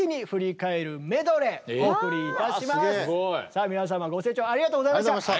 さあ皆様ご清聴ありがとうございました。